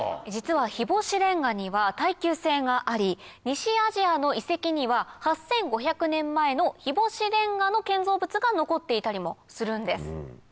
実は日干しレンガには耐久性があり西アジアの遺跡には８５００年前の日干しレンガの建造物が残っていたりもするんです。